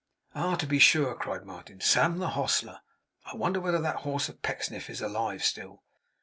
'Ah, to be sure!' cried Martin; 'Sam, the hostler. I wonder whether that horse of Pecksniff's is alive still?